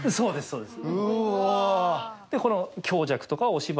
そうです。